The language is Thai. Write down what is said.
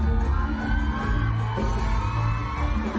ตาเบอร์